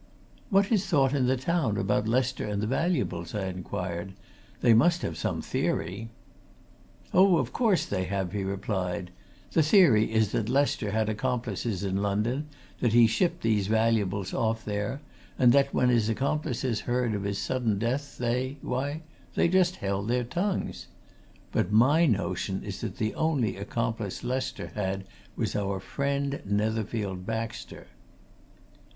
"What is thought in the town about Lester and the valuables?" I inquired. "They must have some theory?" "Oh, of course, they have," he replied. "The theory is that Lester had accomplices in London, that he shipped these valuables off there, and that when his accomplices heard of his sudden death they why, they just held their tongues. But my notion is that the only accomplice Lester had was our friend Netherfield Baxter."